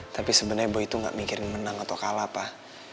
tapi sebenarnya boy itu gak mikirin menang atau kalah pak